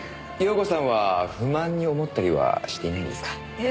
遥子さんは不満に思ったりはしていないんですか？